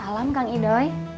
waalaikumsalam kang idoi